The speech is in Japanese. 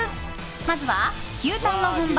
まずは牛タンの本場